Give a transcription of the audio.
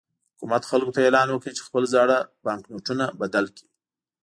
حکومت خلکو ته اعلان وکړ چې خپل زاړه بانکنوټونه بدل کړي.